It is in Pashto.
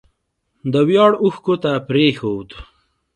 د ویاړ اوښکو ته پرېښود